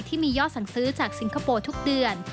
ที่มียอดสั่งซื้อจากสิงคโปร์ทุกเดือน